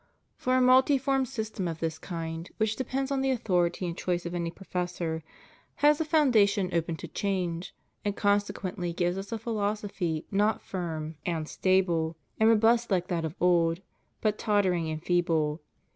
For a multiform system of this kind, which depends on the authority and choice of any professor, has a foundation open to change, and consequently gives us a philosophy not firm, and ' Beza — Bucerus. THE STUDY OF SCHOLASTIC PHILOSOPHY. 53 stable, and robust like that of old, but tottering and feeble.